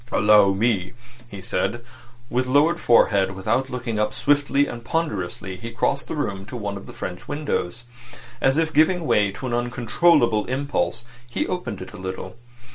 "Allow me," he said. With lowered forehead, without looking up, swiftly and ponderously he crossed the room to one of the French windows. As if giving way to an uncontrollable impulse, he opened it a little.